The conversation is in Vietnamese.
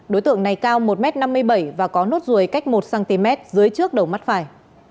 đối tượng này cao một m năm mươi bảy và có nốt ruồi cách một cm dưới trước đầu mắt phải